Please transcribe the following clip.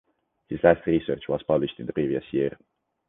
His last research was published in the previous year.